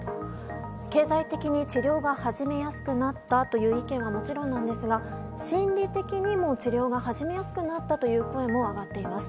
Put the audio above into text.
経済的に治療が始めやすくなったという意見はもちろんなんですが心理的にも治療が始めやすくなったという声も上がっています。